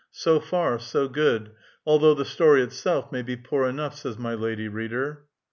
So far, so good, although the story itself may be poor enough," says my lady reader.